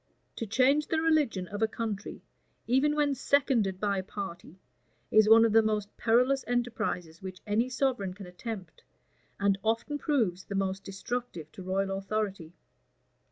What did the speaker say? To change the religion of a country, even when seconded by a party, is one of the most perilous enterprises which any sovereign can attempt, and often proves the most destructive to royal authority.